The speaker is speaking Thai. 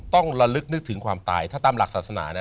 ต้องระลึกนึกถึงความตายถ้าตามหลักศาสนานะ